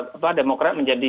partai demokrat menjadi